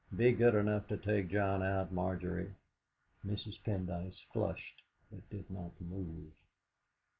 Be good enough to take John out, Margery." Mrs. Pendyce flushed, but did not move.